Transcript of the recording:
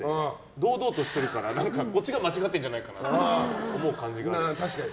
堂々としてるからこっちが間違ってるんじゃないかなって思う感じがある。